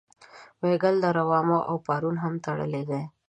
وایګل دره واما او پارون هم تړلې وې.